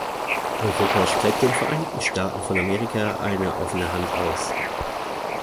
Europa streckt den Vereinigten Staaten von Amerika eine offene Hand aus.